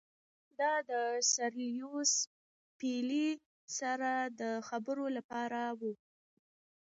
دا د سر لیویس پیلي سره د خبرو لپاره وو.